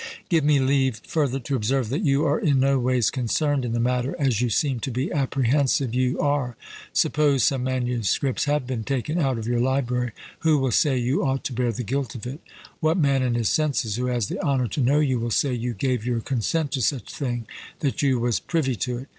Give me leave further to observe, that you are in no ways concerned in the matter, as you seem to be apprehensive you are. Suppose some MSS. have been taken out of your library, who will say you ought to bear the guilt of it? What man in his senses, who has the honour to know you, will say you gave your consent to such thing that you was privy to it?